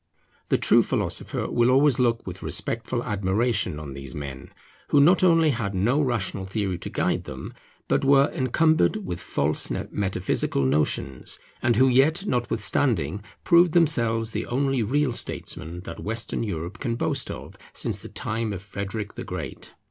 The true philosopher will always look with respectful admiration on these men, who not only had no rational theory to guide them, but were encumbered with false metaphysical notions; and who yet notwithstanding proved themselves the only real statesmen that Western Europe can boast of since the time of Frederick the Great.